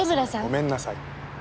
ごめんなさい。